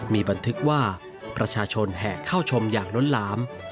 มีบันทึกว่าประชาชนแห่เข้าชมอย่างล้นหลาม